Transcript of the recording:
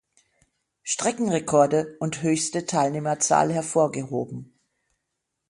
Streckenrekorde und höchste Teilnehmerzahl hervorgehoben.